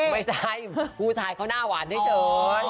ไม่ใช่ผู้ชายเขาหน้าหวานเฉย